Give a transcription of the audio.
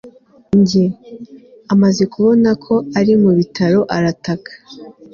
njye? amaze kubona ko ari mu bitaro, arataka